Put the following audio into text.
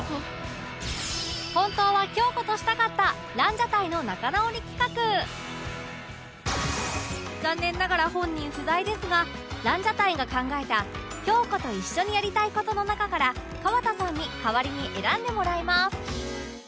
本当は残念ながら本人不在ですがランジャタイが考えた京子と一緒にやりたい事の中から河田さんに代わりに選んでもらいます